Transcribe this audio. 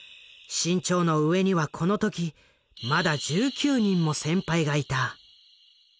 志ん朝の上にはこの時まだ１９人も先輩がいた。